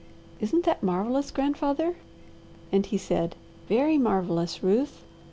Isn't that marvellous, grandfather?' And he said, 'Very marvellous, Ruth.